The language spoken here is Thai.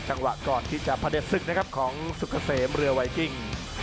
ก่อนที่จะพระเด็จศึกนะครับของสุกเกษมเรือไวกิ้ง